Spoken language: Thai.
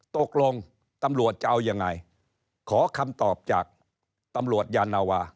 ตกลงตำรวจจะเอายังไงขอคำตอบจากตำรวจยานาวา